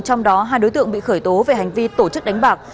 trong đó hai đối tượng bị khởi tố về hành vi tổ chức đánh bạc